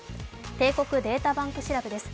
帝国データバンク調べです。